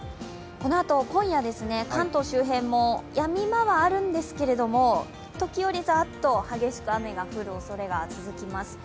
このあと今夜、関東周辺もやみ間はあるんですけど、時折、ざーっと激しく雨が降るおそれが続きます。